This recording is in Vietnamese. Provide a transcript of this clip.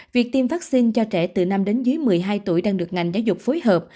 việc tiêm vaccine cho trẻ từ năm đến dưới một mươi hai tuổi đang được ngành giáo dục phối hợp